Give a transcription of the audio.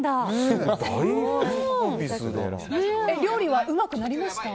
料理はうまくなりました？